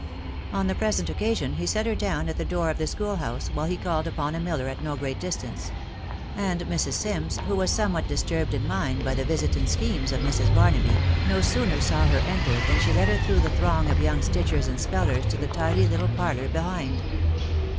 On the present occasion he set her down at the door of the school house, while he called upon a miller at no great distance ; and Mrs. Sims, who was somewhat disturbed in mind by the visit and schemes of Mrs. Barnaby, no sooner saw her enter than she led her through the throng of young stitchers and spellers to the tidy little parlour behind.